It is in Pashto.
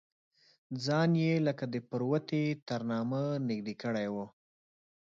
ځان یې لکه د پروتې تر نامه نږدې کړی و.